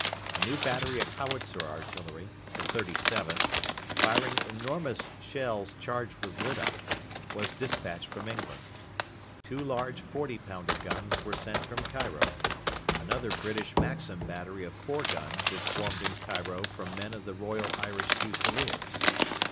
A new battery of Howitzer artillery the 37th firing enormous shells charged with lyddite, was despatched from England. Two large 40 pounder guns were sent from Cairo. Another British Maxim battery of four guns was formed in Cairo from men of the Royal Irish Fusiliers.